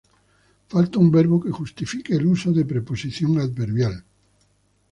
falta un verbo que justifique el uso de preposición adverbial